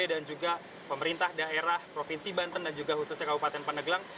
dan juga pemerintah daerah provinsi banten dan juga khususnya kabupaten pandeglang